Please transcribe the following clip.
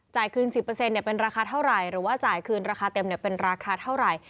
คืน๑๐เป็นราคาเท่าไหร่หรือว่าจ่ายคืนราคาเต็มเป็นราคาเท่าไหร่